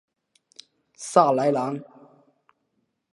萨莱朗。